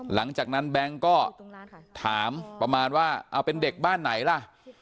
หลังจากนั้นแบงค์ก็ถามประมาณว่าเอาเป็นเด็กบ้านไหนล่ะ